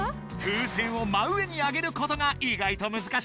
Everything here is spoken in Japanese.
風船を真上に上げることが意外とむずかしいぞ！